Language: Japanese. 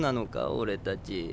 俺たち。